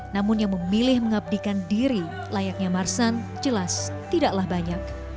namun yang memilih mengabdikan diri layaknya marsan jelas tidaklah banyak